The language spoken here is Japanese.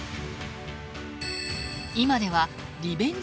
今ではリベンジ